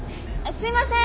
すいません！